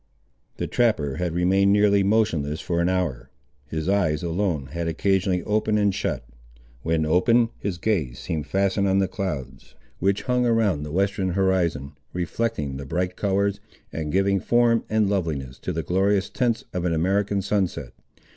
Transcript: The trapper had remained nearly motionless for an hour. His eyes, alone, had occasionally opened and shut. When opened, his gaze seemed fastened on the clouds, which hung around the western horizon, reflecting the bright colours, and giving form and loveliness to the glorious tints of an American sunset.